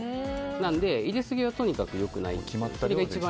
なので入れすぎはとにかくよくないです。